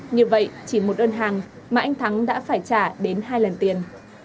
như vậy chỉ một đơn hàng mà anh thắng đã phải trả đến hai lần tiền